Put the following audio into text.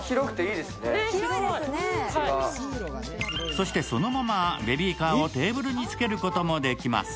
そして、そのままベビーカーをテーブルにつけることもできます。